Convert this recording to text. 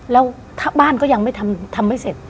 แล้วบ้านก็ยังทำไม่เสร็จ